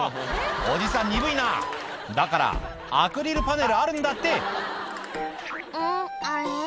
おじさん鈍いなだからアクリルパネルあるんだって「うん？あれ？